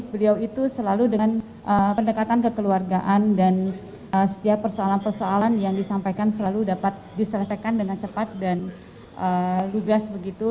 beliau itu selalu dengan pendekatan kekeluargaan dan setiap persoalan persoalan yang disampaikan selalu dapat diselesaikan dengan cepat dan lugas begitu